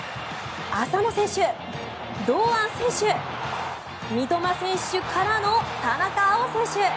浅野選手、堂安選手三笘選手からの田中碧選手。